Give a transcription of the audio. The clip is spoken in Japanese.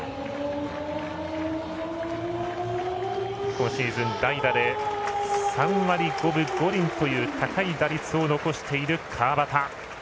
今シーズン、代打で３割５分５厘という高い打率を残している川端。